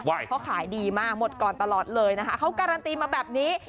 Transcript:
เพราะขายดีมากหมดก่อนตลอดเลยนะคะเขาการันตีมาแบบนี้